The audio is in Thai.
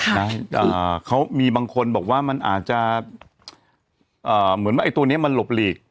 นะอ่าเขามีบางคนบอกว่ามันอาจจะเอ่อเหมือนว่าไอ้ตัวเนี้ยมันหลบหลีก